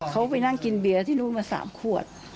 เขาไปนั่งกินเบียร์ที่นู่นมา๓ขวด